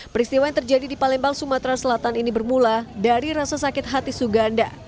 peristiwa yang terjadi di palembang sumatera selatan ini bermula dari rasa sakit hati suganda